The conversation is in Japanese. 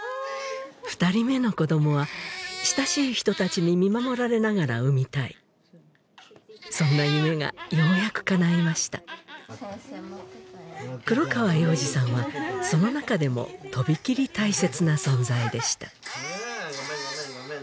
２人目の子どもは親しい人たちに見守られながら産みたいそんな夢がようやくかないました黒川洋司さんはその中でも飛び切り大切な存在でしたああごめんごめんごめん